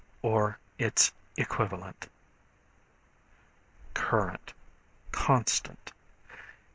or its equivalent. Current, Constant.